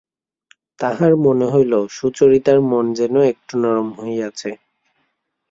তাঁহার মনে হইল সুচরিতার মন যেন একটু নরম হইয়াছে।